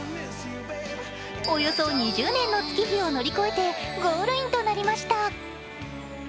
およそ２０年の月日を乗り越えてゴールインとなりました。